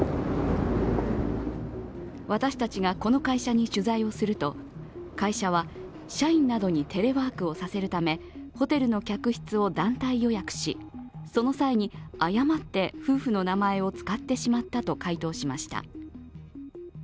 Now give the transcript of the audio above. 私たちがこの会社に取材ヲスルと、会社は社員などにテレワークをさせるためホテルの客室を団体予約しその際に誤って夫婦の名前を使ってしまったと回答しました。